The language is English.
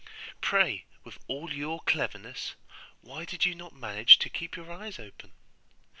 Pray, with all your cleverness, why did not you manage to keep your eyes open?